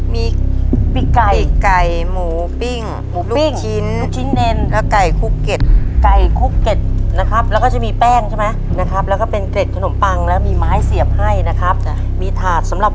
น้องม่อนเชิญมาเป็นผู้ช่วยเลยครับ